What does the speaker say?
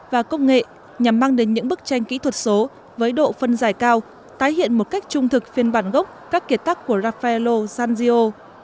và công nghệ nhằm mang đến những bức tranh kỹ thuật số với độ phân giải cao tái hiện một cách trung thực phiên bản gốc các kiệt tác của rafaello sanjio